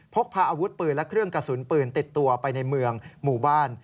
พกพาอาวุธปืนและเครื่องกระสุนปืนติดตัวไปในเมืองหมู่บ้าน